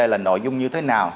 là nội dung như thế nào